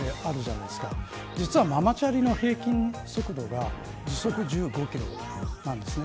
実は、ママチャリの平均速度が時速１５キロなんです。